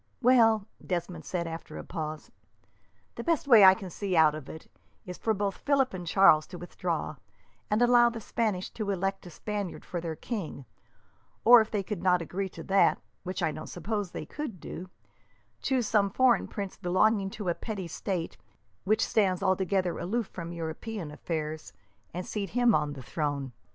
"Well," Desmond said, after a pause; "the best way I can see out of it is for both Philip and Charles to withdraw, and allow the Spanish to elect a Spaniard for their king; or, if they could not agree to that, which I don't suppose they could do, choose some foreign prince belonging to a petty state which stands altogether aloof from European affairs, and seat him on the throne.